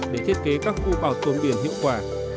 để thiết kế các khu bảo tồn biển hiệu quả